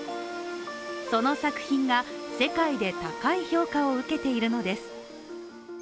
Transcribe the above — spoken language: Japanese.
その作品が世界で高い評価を受けているのです。